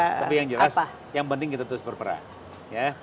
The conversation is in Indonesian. tapi yang jelas yang penting kita terus berperang